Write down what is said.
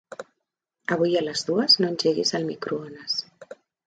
Avui a les dues no engeguis el microones.